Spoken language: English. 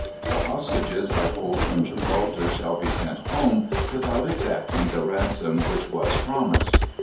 The hostages I hold from Gibraltar shall be sent home, without exacting the ransom which was promised."